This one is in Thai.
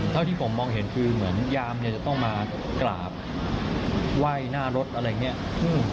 เท่าที่ผมมองเห็นคือเหมือนยามเนี่ยจะต้องมากราบไหว้หน้ารถอะไรอย่างนี้